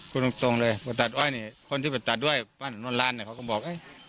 คุณตรงเลยไปตัดอ้อยเนี่ยคนที่ไปตัดอ้อยบ้านนอนรันเนี่ยเขาก็บอก